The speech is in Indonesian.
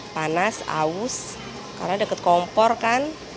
panas aus karena dekat kompor kan